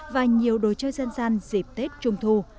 và nhiều đồ chơi dân gian dịp tết trung thu